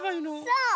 そう！